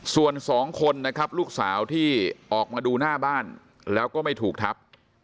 ส่วนสองคนนะครับลูกสาวที่ออกมาดูหน้าบ้านแล้วก็ไม่ถูกทับ